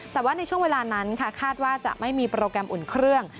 แต่ว่าในช่วงเวลานั้นค่ะคาดว่าจะไม่มีโปรแกรมอุ่นเครื่อง